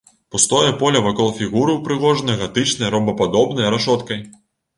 Пустое поле вакол фігуры ўпрыгожана гатычнай ромбападобнай рашоткай.